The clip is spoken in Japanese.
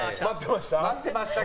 待ってました？